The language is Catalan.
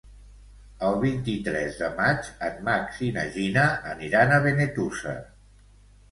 El vint-i-tres de maig en Max i na Gina aniran a Benetússer.